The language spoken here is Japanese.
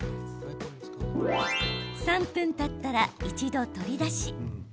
３分たったら一度、取り出し